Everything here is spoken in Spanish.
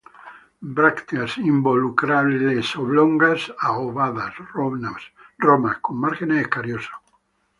Brácteas involucrales oblongas a ovadas, romas, con márgenes escariosos.